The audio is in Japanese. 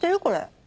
これ。